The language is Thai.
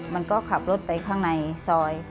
มันก็ขับรถไปข้างในซอย